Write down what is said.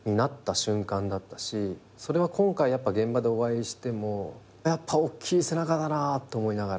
それは今回現場でお会いしてもやっぱおっきい背中だなと思いながら。